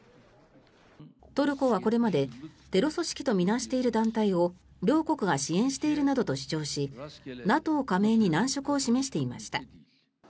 トルコはこれまでテロ組織と見なしている団体を両国が支援しているなどと主張しＮＡＴＯ加盟に難色を示していました。